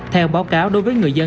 theo báo cáo đối với người dân